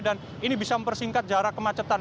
ini bisa mempersingkat jarak kemacetan